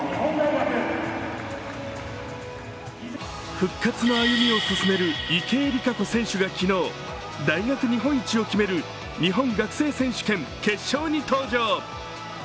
復活の歩みを進める池江璃花子選手が昨日大学日本一を決める日本学生選手権決勝に登場。